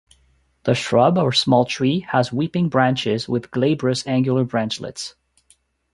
The shrub or small tree has weeping branches with glabrous angular branchlets.